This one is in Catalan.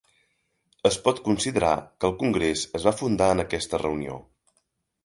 Es pot considerar que el Congrés es va fundar en aquesta reunió.